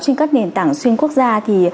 trên các nền tảng xuyên quốc gia